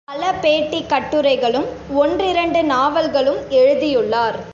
பல பேட்டிக் கட்டுரைகளும், ஒன்றிரண்டு நாவல்களும் எழுதியுள்ளார்.